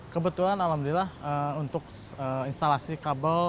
kebetulan alhamdulillah untuk instalasi kabel